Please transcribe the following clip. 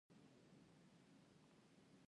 اوښ د افغان ځوانانو د هیلو استازیتوب کوي.